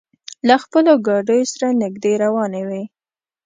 له خپلو ګاډیو سره نږدې روانې وې.